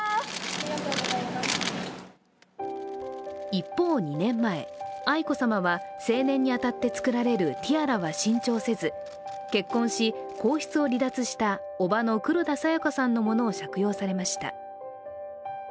一方、２年前、愛子さまは成年に当たって作られるティアラは新調せず結婚し皇室を離脱したおばの黒田清子さんのものを借用されました。